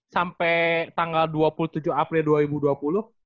sampai tanggal dua puluh tujuh april dua ribu dua puluh